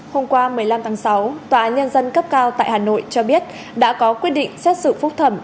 hôm qua một mươi năm tháng sáu tòa án nhân dân cấp cao tại hà nội cho biết đã có quyết định xét xử phúc thẩm